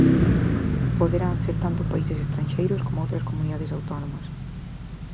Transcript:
Poderán ser tanto países estranxeiros coma outras comunidades autónomas.